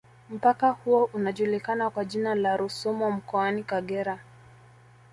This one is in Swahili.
Mpaka huo unajulikana kwa jina la Rusumo mkoani Kagera